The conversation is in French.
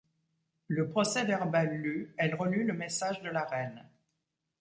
Le procès-verbal lu, elle relut le message de la reine.